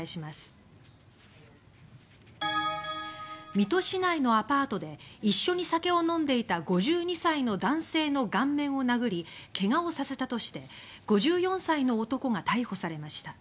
水戸市内のアパートで一緒に酒を飲んでいた５２歳の男性の顔面を殴り怪我をさせたとして５４歳の男が逮捕されました。